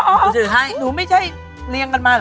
หนังสือให้หนูไม่ใช่เรียงกันมาเหรอ